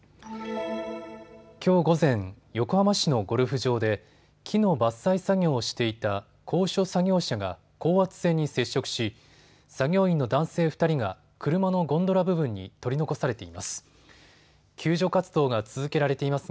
きょう午前、横浜市のゴルフ場で木の伐採作業をしていた高所作業車が高圧線に接触し作業員の男性２人が車のゴンドラ部分に取り残されています。